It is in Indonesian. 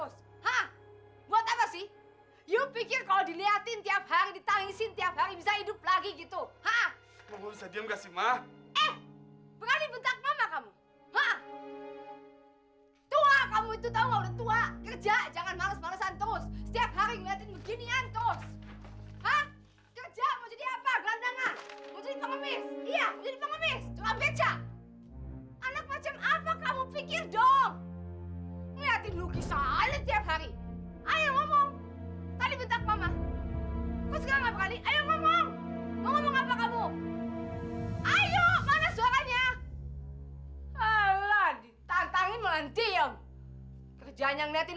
sampai jumpa di video selanjutnya